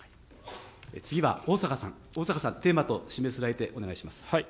次は逢坂さん、逢坂さん、テーマと指名されて、お願いします。